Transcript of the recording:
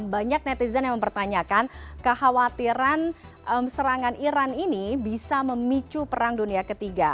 banyak netizen yang mempertanyakan kekhawatiran serangan iran ini bisa memicu perang dunia ketiga